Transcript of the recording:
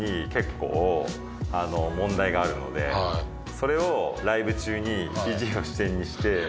それをライブ中に肘を支点にして。